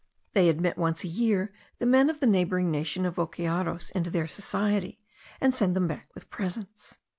They admit, once a year, the men of the neighbouring nation of Vokearos into their society, and send them back with presents.